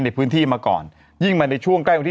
ดื่มน้ำก่อนสักนิดใช่ไหมคะคุณพี่